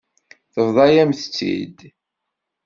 Tebḍa-yam-tt-id.